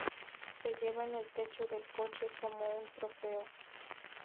Se lleva en el techo del coche como un trofeo.